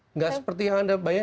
nggak seperti yang anda bayangkan